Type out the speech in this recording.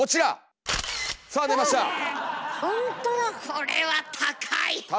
これは高い。